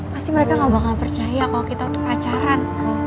pasti mereka gak bakal percaya kalau kita tuh pacaran